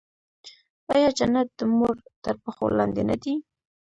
آیا جنت د مور تر پښو لاندې نه دی؟